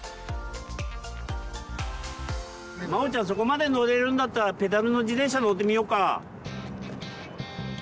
そこまで乗れるんだったらペダルの自転車乗ってみようか。